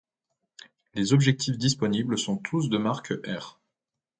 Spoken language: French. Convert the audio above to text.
Les objectifs disponibles sont tous de marque Aires.